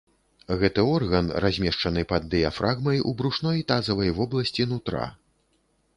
Гэты орган размешчаны пад дыяфрагмай у брушной тазавай вобласці нутра.